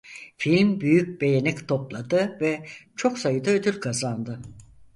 Film büyük beğeni topladı ve çok sayıda ödül kazandı.